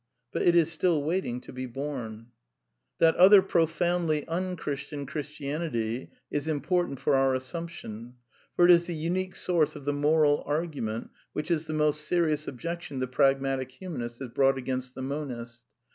But it is still waiting to be bom. \ THE NEW MYSTICISM 249 That other profoundly unChristian Christianity is im portant for our assumption ; for it is the unique source of the moral argument which is the most serious objection the pragmatic humanist has brought against the monist.